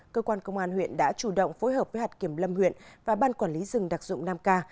cơ quan công an huyện đã chủ động phối hợp với hạt kiểm lâm huyện và ban quản lý rừng đặc dụng nam ca